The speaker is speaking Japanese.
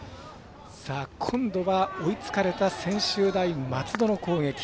今度は追いつかれた専修大松戸の攻撃。